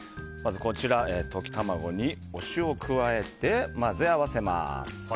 溶き卵にお塩を加えて混ぜ合わせます。